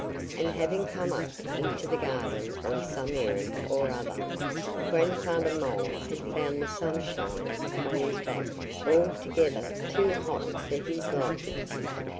And having come up into the garden on some errand or other, Grandfather Mole had found the sunshine upon his back altogether too hot for his liking.